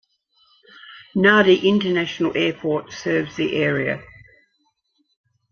Nadi International Airport serves the area.